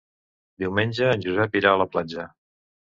Diumenge en Josep irà a la platja.